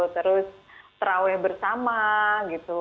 terus terawih bersama gitu